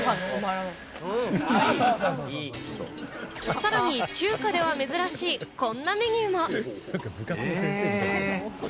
さらに中華では珍しいこんなメニューも。